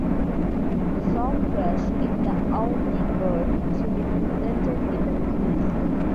The song thrush is the only bird to be presented in the piece.